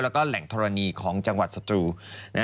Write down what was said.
แล้วก็แหล่งธรณีของจังหวัดสตรู